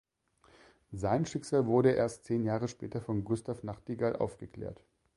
Sein Schicksal wurde erst zehn Jahre später von Gustav Nachtigal aufgeklärt.